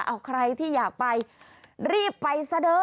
เอาใครที่อยากไปรีบไปซะเด้อ